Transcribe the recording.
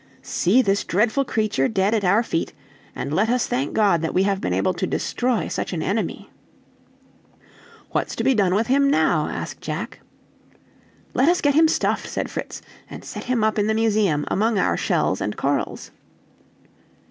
"See this dreadful creature dead at our feet; and let us thank God that we have been able to destroy such an enemy." "What's to be done with him now?" asked Jack. "Let us get him stuffed," said Fritz, "and set him up in the museum among our shells and corals."